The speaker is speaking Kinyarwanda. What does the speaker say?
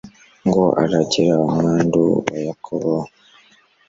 ngo aragire umwandu wa yakobo